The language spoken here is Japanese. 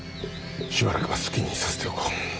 しばらくは好きにさせておこう。